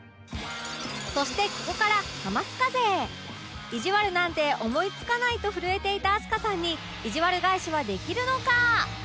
そしてここから『ハマスカ』勢いじわるなんて思い付かないと震えていた飛鳥さんにいじわる返しはできるのか？